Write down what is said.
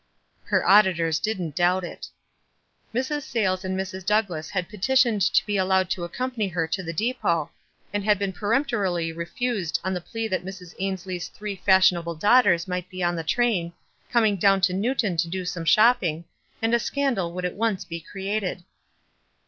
Her auditors didn't doubt it. Mrs. Sayles and Mrs. Douglass had petitioned to be allowed to accompany her to the depot, and been peremptorily refused on the plea that Mrs. Ainslie's three fashionable daughters might be on the train, coming down to Newton to do some shopping, and a scandal would at once be created.